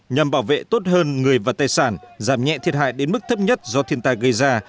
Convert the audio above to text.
nhằm bảo vệ tốt hơn người và tài sản giảm nhẹ thiệt hại đến mức thấp nhất do thiên tai gây ra